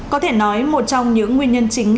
có thể nói một trong những nguyên nhân chính